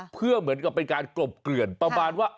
เพื่อเหมือนกับเป็นการกลบเกลื่อนประมาณว่า